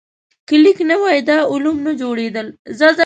که لیک نه وای، دا علوم نه جوړېدل.